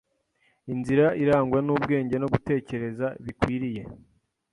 inzira irangwa n’ubwenge no gutekereza bikwiriye,